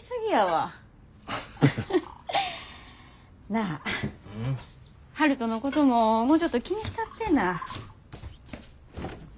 なあ悠人のことももうちょっと気にしたってぇな。